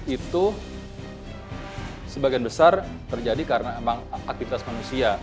itu sebagian besar terjadi karena emang aktivitas manusia